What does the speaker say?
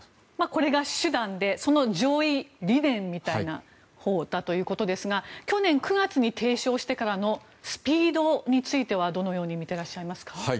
これが手段でその上位理念みたいなほうだということですが去年９月に提唱してからのスピードはどのように見ていますか。